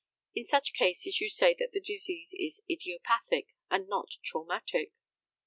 In such cases you say that the disease is idiopathic, and not traumatic.